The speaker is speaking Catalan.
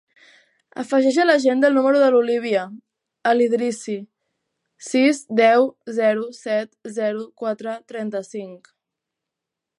Afegeix a l'agenda el número de l'Olívia El Idrissi: sis, deu, zero, set, zero, quatre, trenta-cinc.